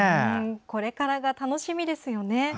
これからが楽しみですよね。